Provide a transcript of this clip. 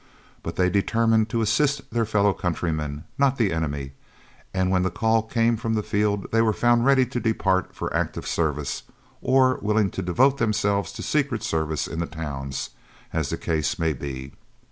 But they determined to assist their fellow countrymen, not the enemy, and when the call came from the field they were found ready to depart for active service or willing to devote themselves to secret service in the towns, as the case may be.